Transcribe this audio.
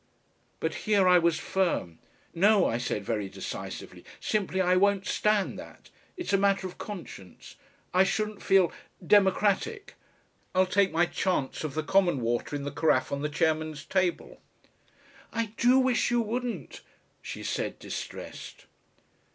But here I was firm. "No," I said, very decisively, "simply I won't stand that. It's a matter of conscience. I shouldn't feel democratic. I'll take my chance of the common water in the carafe on the chairman's table." "I DO wish you wouldn't," she said, distressed.